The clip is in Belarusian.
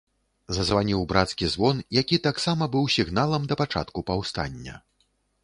Зазваніў брацкі звон, які таксама быў сігналам да пачатку паўстання.